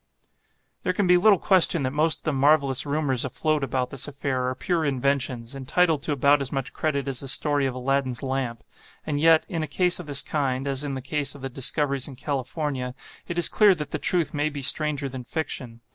There can be little question that most of the marvellous rumors afloat about this affair are pure inventions, entitled to about as much credit as the story of Aladdin's lamp; and yet, in a case of this kind, as in the case of the discoveries in California, it is clear that the truth may be stranger than fiction.